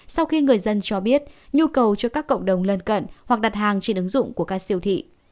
sau khi người dân cho biết nhu cầu cho các cộng đồng lân cận hoặc đặt hàng trên ứng dụng của các siêu thị